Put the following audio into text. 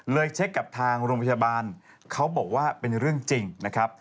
เช็คกับทางโรงพยาบาลเขาบอกว่าเป็นเรื่องจริงนะครับ